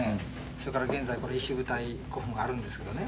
それから現在これ石舞台古墳があるんですけどね